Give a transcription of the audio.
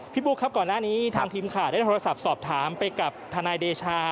บุ๊คครับก่อนหน้านี้ทางทีมข่าวได้โทรศัพท์สอบถามไปกับทนายเดชา